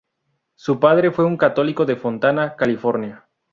Su padre fue un católico de Fontana, California.